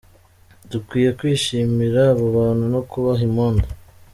Dukwiye kwishimira abo bantu no kubaha impundu.